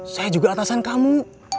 saya juga atasan kamu